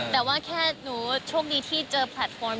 แต่ว่าแค่หนูโชคดีที่เจอแพลตฟอร์ม